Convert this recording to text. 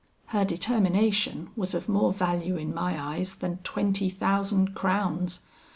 "Her determination was of more value in my eyes than twenty thousand crowns.